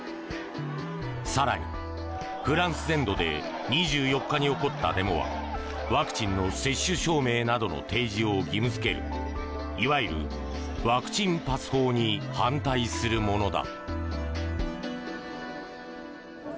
更に、フランス全土で２４日に起こったデモはワクチンの接種証明などの提示を義務付けるいわゆるワクチンパス法に反対するものだ。